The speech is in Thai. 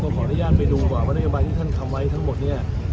ขออนุญาตไปดูก่อนว่านโยบายที่ท่านทำไว้ทั้งหมดเนี่ย